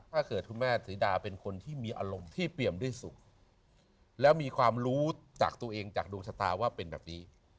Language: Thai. ถ้าเกิดคุณแม่ศรีดาเป็นคนที่มีอารมณ์ที่เปรียมด้วยสุขแล้วมีความรู้จากตัวเองจากดวงชะตาว่าเป็นแบบนี้